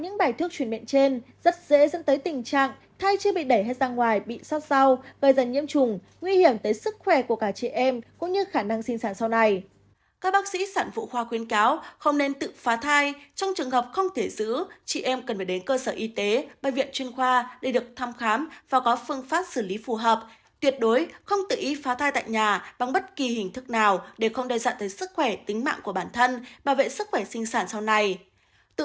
ngược lại những bài thuốc chuyển miệng trên rất dễ dẫn tới tình trạng thay chưa bị đẩy hết ra ngoài bị sát sao